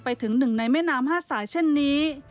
ไปถึงหนึ่งในแม่น้ำ๕สายเช่นนี้